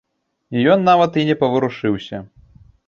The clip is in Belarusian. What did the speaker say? Ён нават і не паварушыўся.